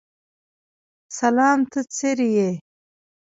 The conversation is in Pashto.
سلام ته څرې یې؟